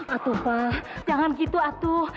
atuh pa jangan gitu atuh